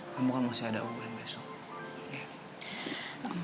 kamu kan masih ada un besok ya